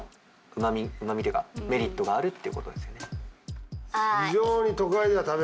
うまみっていうかメリットがあるってことですよね。